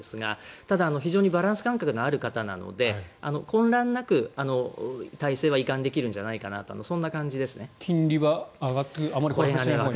ただ、非常にバランス感覚のある方なので混乱なく体制は移管できるんじゃないかと金利は上がる方向ですか？